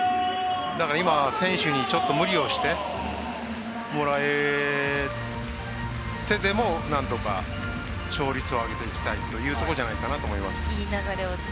今、選手にちょっと無理をしてもらってでもなんとか勝率を上げていきたいというところじゃないかなと思います。